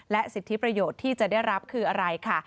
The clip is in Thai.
สิทธิประโยชน์ที่จะได้รับคืออะไรค่ะ